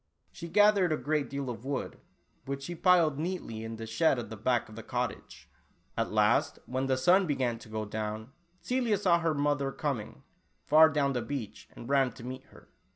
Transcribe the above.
She gathered a great deal of wood, which she piled neatly in the shed at the back of the cottage. At last, when the sun began to go down, Celia saw her mother coming, far down the beach, and ran to meet her.